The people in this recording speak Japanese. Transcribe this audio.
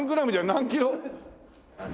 何キロ？